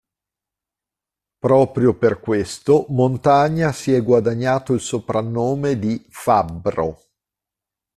Proprio per questo Montagna si è guadagnato il soprannome di “fabbro”.